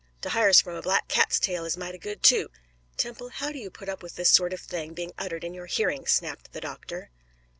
De hy'ars from a black cat's tail is mighty good, too " "Temple, how do you put up with this sort of thing being uttered in your hearing?" snapped the doctor.